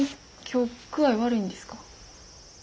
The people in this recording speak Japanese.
今日具合悪いんですか？